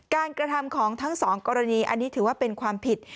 กระทำของทั้งสองกรณีอันนี้ถือว่าเป็นความผิด